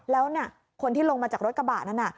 แล้วคนที่ลงมาจากรถกระบะนั้นน่ะ